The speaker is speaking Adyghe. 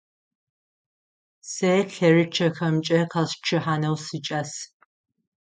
Сэ лъэрычъэхэмкӀэ къэсчъыхьанэу сикӀас.